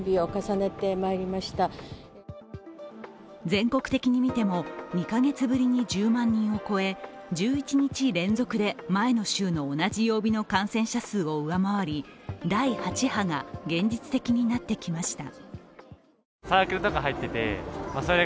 全国的に見ても２か月ぶりに１０万人を超え１１日連続で前の週の同じ曜日の感染者数を上回り第８波が現実的になってきました。